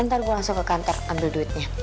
ntar gue langsung ke kantor ambil duitnya